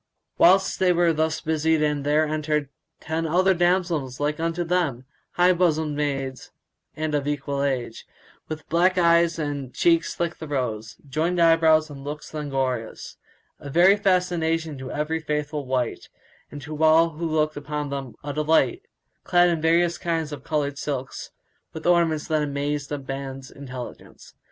Whilst they were thus busied there entered other ten damsels like unto them, high bosomed maids and of an equal age, with black eyes and cheeks like the rose, joined eyebrows and looks languorous; a very fascination to every faithful wight and to all who looked upon them a delight; clad in various kinds of coloured silks, with ornaments that amazed man's intelligence.